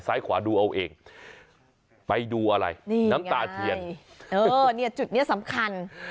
ซ้ายขวาดูเอาเองไปดูอะไรนี่น้ำตาเทียนเออเนี่ยจุดเนี้ยสำคัญ